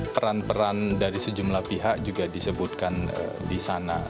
peran peran dari sejumlah pihak juga disebutkan di sana